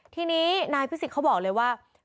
ทีนี้นายพิสิทธิเขาบอกเลยว่า